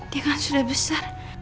dia kan sudah besar